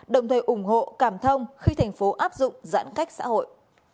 đồng thời ủng hộ cảm thông khi thành phố áp dụng giãn cách xã hội